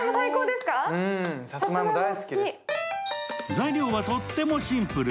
材料は、とってもシンプル。